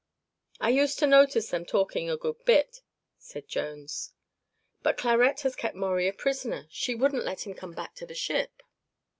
"I used to notice them talking together a good bit," said Jones. "But Clarette has kept Maurie a prisoner. She wouldn't let him come back to the ship."